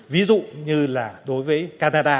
ví dụ như là đối với canada